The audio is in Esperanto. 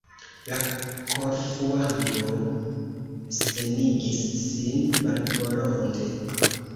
La Korfuano senigis sin malvolonte.